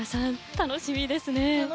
楽しみですね！